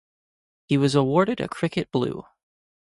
He was awarded a cricket Blue.